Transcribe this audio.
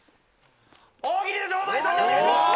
「大喜利」で堂前さんでお願いします！